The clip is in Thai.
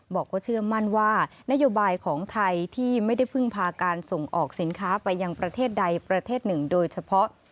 บอกว่าเชื่อมั่นว่านโยบายของไทยที่ไม่ได้พึ่งพาการส่งออกสินค้าไปยังประเทศใดประเทศหนึ่งโดยเฉพาะ